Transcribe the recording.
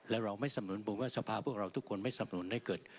และเราไม่สำนุนผมว่าสภาพวกเราทุกคนไม่สำนุนให้เกิด